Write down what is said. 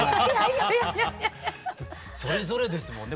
それぞれですもんね。